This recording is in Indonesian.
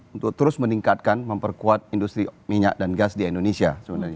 untuk terus meningkatkan memperkuat industri minyak dan gas di indonesia